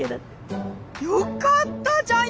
よかったじゃん！